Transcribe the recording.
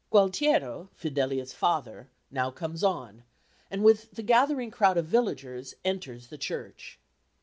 Gualtiero, Fidelia's father, now comes on, and, with the gathering crowd of villagers, enters the church.